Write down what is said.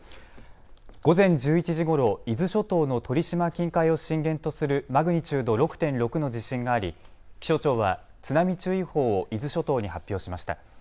午前１１時ごろ、伊豆諸島の鳥島近海を震源とするマグニチュード６．６の地震があり気象庁は津波注意報を伊豆諸島に発表しました。